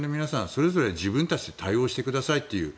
それぞれ自分たちで対応してくださいという。